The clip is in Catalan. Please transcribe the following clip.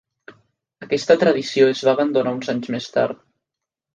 Aquesta tradició es va abandonar uns anys més tard.